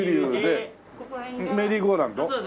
メリーゴーラウンド？